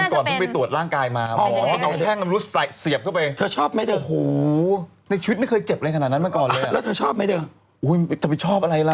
ที่คนใกล้ตายจะออกยังไง